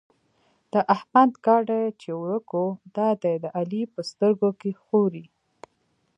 د احمد ګاډی چې ورک وو؛ دا دی د علي په سترګو کې ښوري.